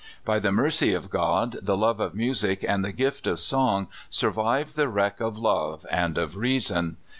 By the mercy of God, the love of music and the gift of song survived the wreck of love and of reason.